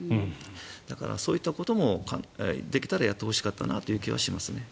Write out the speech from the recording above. だから、そういったこともできたらやってほしかったなという気がしますね。